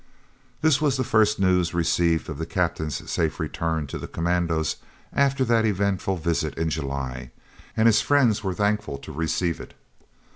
This was the first news received of the Captain's safe return to the commandos after that eventful visit in July, and his friends were thankful to receive it.